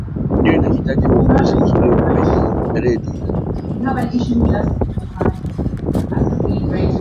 redio inahitaji uongozi mzuri na wenye weredi